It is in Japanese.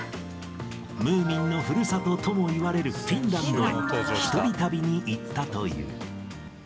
ムーミンのふるさとともいわれるフィンランドへ、１人旅に行ったという。